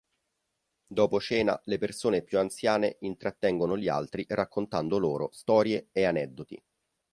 Dopo cena le persone più anziane intrattengono gli altri raccontando loro storie e aneddoti.